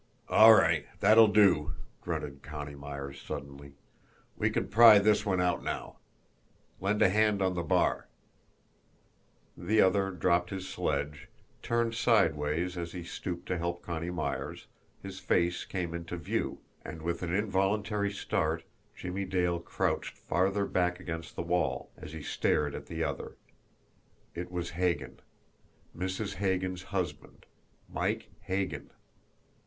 "All right, that'll do!" grunted Connie Myers suddenly. "We can pry this one out now. Lend a hand on the bar!" The other dropped his sledge, turned sideways as he stooped to help Connie Myers, his face came into view and, with an involuntary start, Jimmie Dale crouched farther back against the wall, as he stared at the other. It was Hagan! Mrs. Hagan's husband! Mike Hagan!